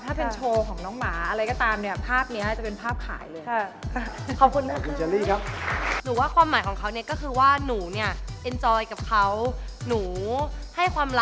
ถ้าเป็นโชว์ของน้องอะไรก็ตาม